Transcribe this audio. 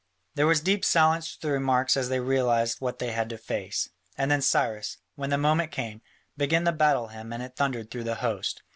There was deep silence through the ranks as they realised what they had to face, and then Cyrus, when the moment came, began the battle hymn and it thundered through the host.